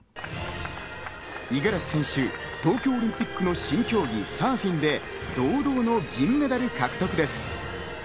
五十嵐選手、東京オリンピックの新競技・サーフィンで堂々の銀メダル獲得です。